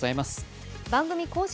番組公式